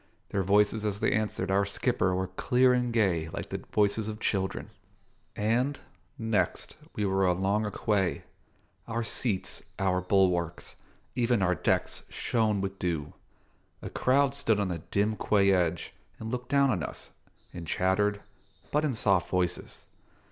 Their voices as they answered our skipper were clear and gay like the voices of children. And, next, we were alongside a quay. Our seats, our bulwarks, even our decks, shone with dew. A crowd stood on the dim quay edge and looked down on us, and chattered, but in soft voices.